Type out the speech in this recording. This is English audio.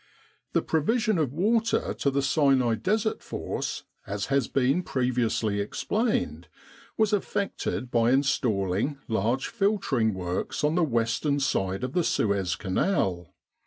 The provision of water to the Sinai Desert Force, as has been previously explained, was effected by installing large filtering works on the western side of the Suez Canal.